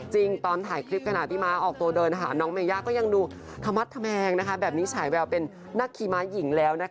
ตอนถ่ายคลิปขณะพี่ม้าออกตัวเดินหาน้องเมย่าก็ยังดูธมัดธแมงแบบนี้ฉายแววเป็นนักขี่ม้าหญิงแล้วนะคะ